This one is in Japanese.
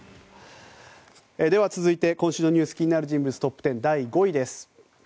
では続いて今週のニュース気になる人物トップ１０第５位です。